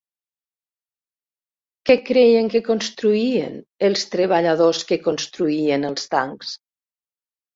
Què creien que construïen els treballadors que construïen els tancs?